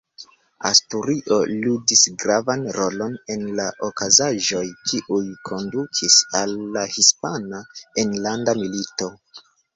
Asturio ludis gravan rolon en la okazaĵoj, kiuj kondukis al la Hispana Enlanda Milito.